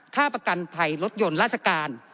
ค่าประกันภัยรถยนต์ราชการ